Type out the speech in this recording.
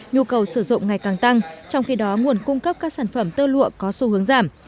nhu cầu sử dụng ngày càng tăng trong khi đó nguồn cung cấp các sản phẩm tơ lụa có xu hướng giảm